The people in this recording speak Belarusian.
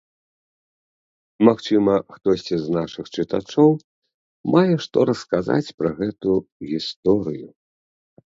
Магчыма, хтосьці з нашых чытачоў мае што расказаць пра гэту гісторыю.